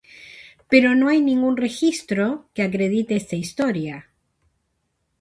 Pero no hay ningún registro que acredite esta historia.